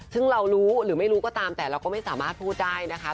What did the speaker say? ซึ่งเรารู้หรือไม่รู้ก็ตามแต่เราก็ไม่สามารถพูดได้นะคะ